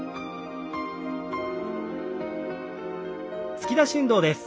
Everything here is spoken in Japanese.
突き出し運動です。